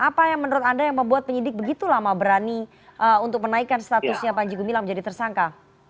apa yang menurut anda yang membuat penyidik begitu lama berani untuk menaikkan statusnya panji gumilang menjadi tersangka